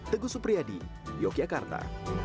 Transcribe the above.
teguh supriyadi yogyakarta